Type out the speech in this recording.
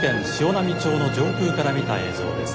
波町の上空から見た映像です。